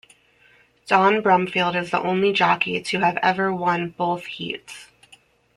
Don Brumfield is the only jockey to ever have won both heats.